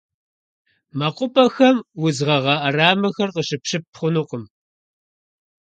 МэкъупӀэхэм удз гъэгъа Ӏэрамэхэр къыщыпщып хъунукъым.